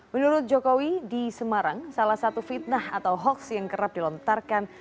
menurut jokowi di semarang salah satu fitnah atau hoax yang kerap dilontarkan